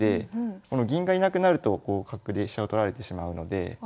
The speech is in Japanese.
この銀がいなくなると角で飛車を取られてしまうので。